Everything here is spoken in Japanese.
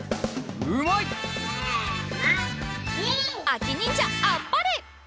あきにんじゃあっぱれ！